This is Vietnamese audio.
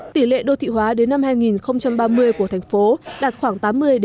tỷ lệ đô thị hóa đến năm hai nghìn ba mươi của thành phố đạt khoảng tám mươi ba mươi